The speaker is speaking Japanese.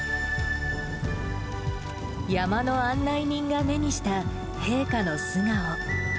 山の案内人が目にした陛下の素顔。